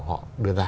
họ đưa ra